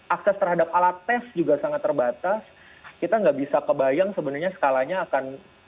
akses terhadap alat tes juga sangat terbatas kita nggak bisa kebayang sebenarnya skalanya akan